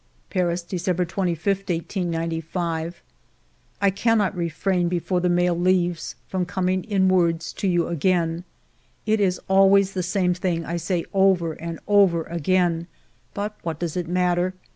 ... "Paris, December 25, 1895. " I cannot refrain, before the mail leaves, from coming in words to you again. It is always the same thing I say over and over again, but what does it matter